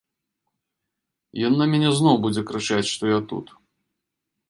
Ён на мяне зноў будзе крычаць, што я тут.